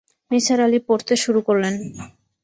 নিসার আলি পড়তে শুরু করলেন।